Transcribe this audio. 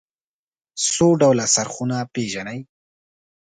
څو ډوله څرخونه پيژنئ.